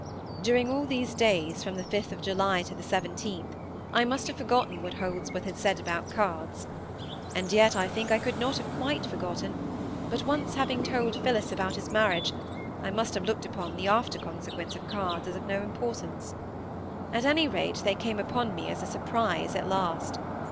During all these days, from the 5th of July to the 17th, I must have forgotten what Holdsworth had said about cards. And yet I think I could not have quite forgotten; but, once having told Phillis about his marriage, I must have looked upon the after consequence of cards as of no importance. At any rate they came upon me as a surprise at last.